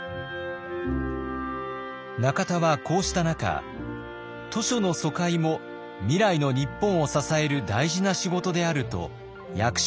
中田はこうした中「図書の疎開も未来の日本を支える大事な仕事である」と役所を説得。